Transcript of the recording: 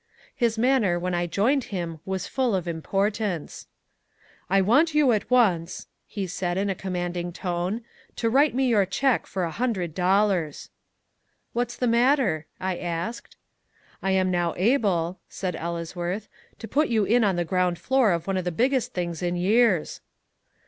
His manner when I joined him was full of importance. "I want you at once," he said in a commanding tone, "to write me your cheque for a hundred dollars." "What's the matter?" I asked. "I am now able," said Ellesworth, "to put you in on the ground floor of one of the biggest things in years."